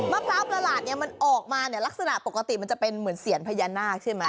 พร้าวประหลาดเนี่ยมันออกมาเนี่ยลักษณะปกติมันจะเป็นเหมือนเสียญพญานาคใช่ไหม